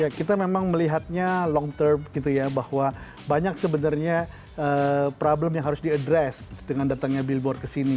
iya kita memang melihatnya long term gitu ya bahwa banyak sebenernya problem yang harus di address dengan datangnya billboard kesini